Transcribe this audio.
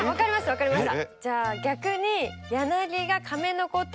分かりました。